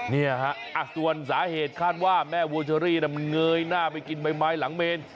เนี่ยฮะส่วนสาเหตุคาดว่าแม่วัวเชอรี่มันเงยหน้าไปกินใบไม้หลังเมน